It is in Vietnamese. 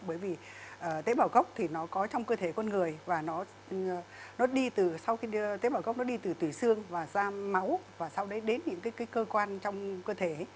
bởi vì tế bào gốc thì nó có trong cơ thể con người và nó đi từ tủy xương và ra máu và sau đấy đến những cơ quan trong cơ thể